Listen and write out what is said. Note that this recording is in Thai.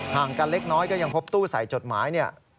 ห่างกันเล็กน้อยก็ยังพบตู้ใส่จดหมายเนี่ย